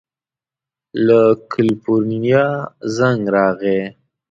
له کلیفورنیا زنګ راغی.